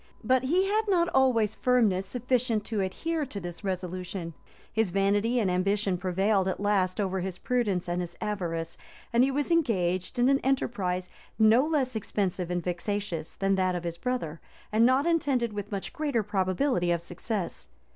But he had not always firmness sufficient to adhere to this resolution: his vanity and ambition prevailed at last over his prudence and his avarice; and he was engaged in an enterprise no less expensive and vexatious than that of his brother, and not attended with much greater probability of success.